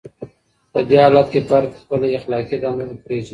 په دې حالت کي فرد خپله اخلاقي دنده پېژني.